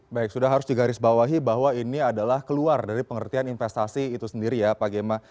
baik sudah harus digarisbawahi bahwa ini adalah keluar dari pengertian investasi itu sendiri ya pak gemma